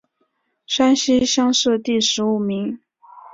山西乡试第十五名。